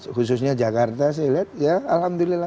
khususnya jakarta saya lihat ya alhamdulillah